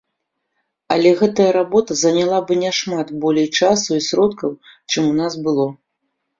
Але гэтая работа заняла бы нашмат болей часу і сродкаў, чым у нас было.